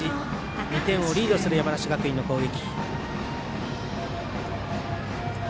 ２点をリードする山梨学院の攻撃。